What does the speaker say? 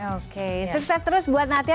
oke sukses terus buat natya